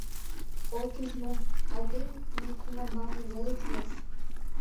От уж мо: айдеме коҥгамбалне веле кияс.